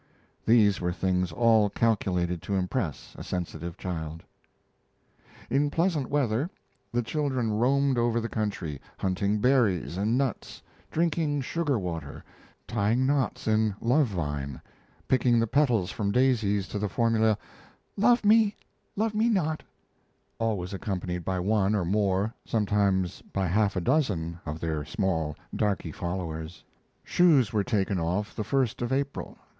These were things all calculated to impress a sensitive child. In pleasant weather the children roamed over the country, hunting berries and nuts, drinking sugar water, tying knots in love vine, picking the petals from daisies to the formula "Love me love me not," always accompanied by one or more, sometimes by half a dozen, of their small darky followers. Shoes were taken off the first of April.